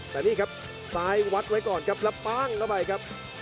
แต่นี่ครับซ้ายวัดไว้ก่อนครับแล้วปั้งเข้าไปครับ